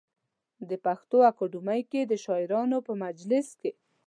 د پښتو اکاډمۍ کې د شاعرانو په مجلس کې.